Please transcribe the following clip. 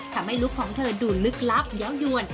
ทำให้ลูกของเธอดูลึกลับเย้าย่วน